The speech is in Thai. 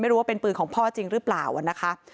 ไม่รู้ว่าเป็นปืนของพ่อจริงหรือเปล่านะคะ